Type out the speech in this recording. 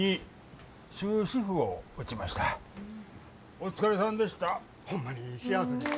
お疲れさんでした。